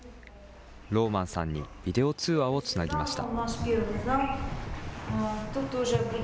ローマンさんにビデオ通話をつなぎました。